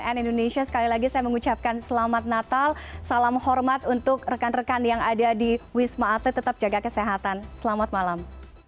dan indonesia sekali lagi saya mengucapkan selamat natal salam hormat untuk rekan rekan yang ada di wisma atlet tetap jaga kesehatan selamat malam